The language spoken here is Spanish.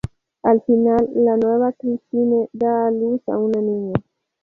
Al final la Nueva Christine da a luz a una niña.